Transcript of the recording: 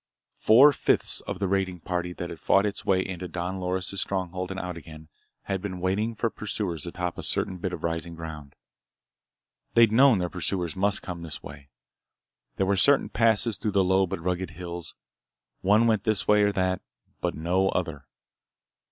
Four fifths of the raiding party that had fought its way into Don Loris' stronghold and out again, had been waiting for pursuers atop a certain bit of rising ground. They'd known their pursuers must come this way. There were certain passes through the low but rugged hills. One went this way or that, but no other.